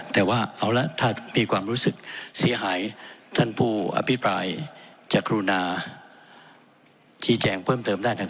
แต่ว่าเอาละถ้ามีความรู้สึกเสียหายท่านผู้อภิปรายจะกรุณาชี้แจงเพิ่มเติมได้นะครับ